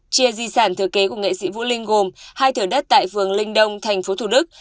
chia di sản thừa kế của nghệ sĩ vũ linh gồm hai thửa đất tại phường linh đông tp thủ đức